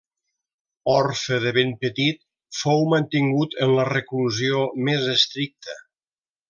Orfe de ben petit, fou mantingut en la reclusió més estricta.